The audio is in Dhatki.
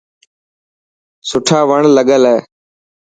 سوٺا وڻ لگل هي.